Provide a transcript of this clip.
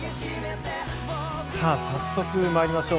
早速まいりましょう。